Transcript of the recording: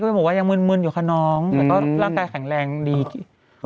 คุณจะโตบ้านเพื่อนกันหมดเลยเนี่ย